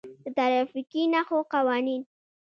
د ترافیکي نښو قوانین: